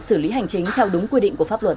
xử lý hành chính theo đúng quy định của pháp luật